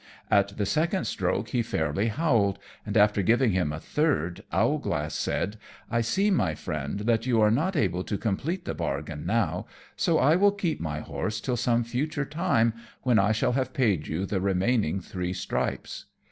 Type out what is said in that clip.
At the second stroke he fairly howled; and after giving him a third Owlglass said, "I see, my Friend, that you are not able to complete the bargain now, so I will keep my horse till some future time, when I shall have paid you the remaining three stripes."